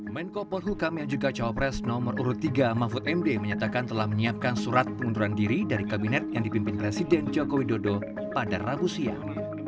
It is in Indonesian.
menko polhukam yang juga cawapres nomor urut tiga mahfud md menyatakan telah menyiapkan surat pengunduran diri dari kabinet yang dipimpin presiden joko widodo pada rabu siang